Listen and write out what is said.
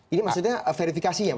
ini maksudnya verifikasi ya